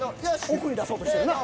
奥に出そうとしてるな。